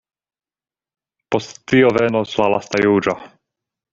Post tio venos la lasta juĝo.